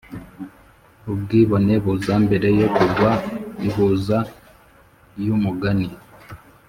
ubwibone buza mbere yo kugwa ihuza ryumugani